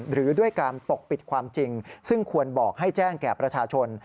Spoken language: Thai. หรือด้วยการปกปิดความจริงซึ่งควรบอกให้แจ้งแก่ประชาชน